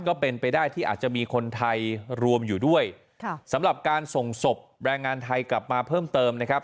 ก็เป็นไปได้ที่อาจจะมีคนไทยรวมอยู่ด้วยค่ะสำหรับการส่งศพแรงงานไทยกลับมาเพิ่มเติมนะครับ